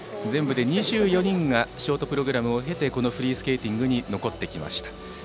全部で２４人がショートプログラムを経てこのフリースケーティングに残ってきました。